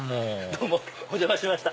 どうもお邪魔しました。